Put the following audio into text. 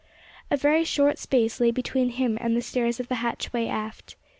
A very short space lay between him and the stairs of the hatchway aft.